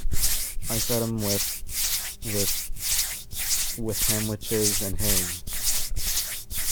I fed him with—with—with Ham-sandwiches and Hay.